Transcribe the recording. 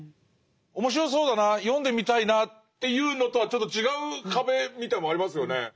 面白そうだな読んでみたいなっていうのとはちょっと違う壁みたいなものありますよね。